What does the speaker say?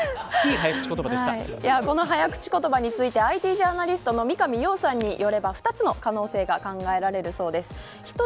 この早口言葉についてＩＴジャーナリストの三上洋さんによれば２つの可能性が考えられるそうです。